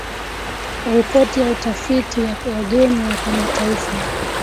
Ripoti ya Utafiti ya Wageni wa Kimataifa